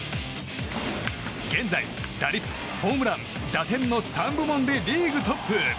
現在、打率、ホームラン打点の３部門でリーグトップ。